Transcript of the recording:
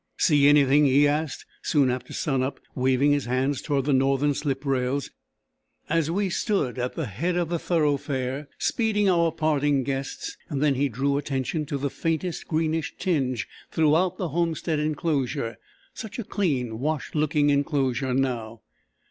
"See anything?" he asked, soon after sun up, waving his hands towards the northern slip rails, as we stood at the head of the thoroughfare speeding our parting guests; and then he drew attention to the faintest greenish tinge throughout the homestead enclosure—such a clean washed looking enclosure now.